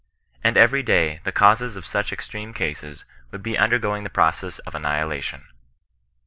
And every ^ay the causes of such extreme cases would be undergo ing the process of annihilation.